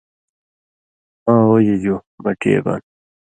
”آں وو جیجو“مٹی اْے بان۔